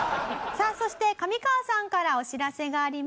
さあそして上川さんからお知らせがあります。